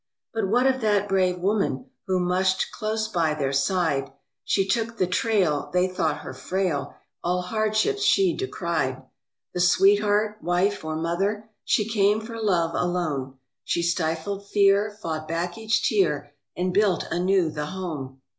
But what of that brave woman Who mushed close by their side She took the trail (they thought her frail), All hardships she decried. The sweetheart, wife, or mother, She came for love alone, She stifled fear, fought back each tear, And built anew the home.